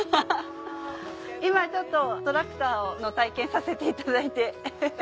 今ちょっとトラクターの体験させていただいて。